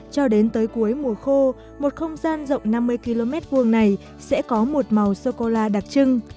cho đến tới cuối mùa khô một không gian rộng năm mươi km hai này sẽ có một màu sô cô la đặc trưng